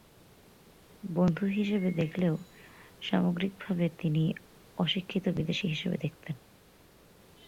তিনি বন্ধু হিসেবে দেখলেও সামগ্রিকভাবে তাদের অশিক্ষিত বিদেশি হিসেবে দেখতেন।